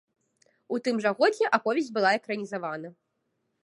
У тым жа годзе аповесць была экранізавана.